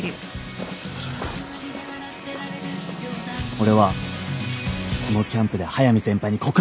俺はこのキャンプで速見先輩に告白しようと。